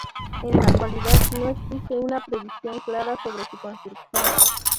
En la actualidad no existe una previsión clara sobre su construcción.